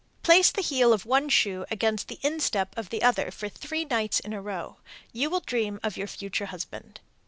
Place the heel of one shoe against the instep of the other for three nights in a row. You will dream of your future husband.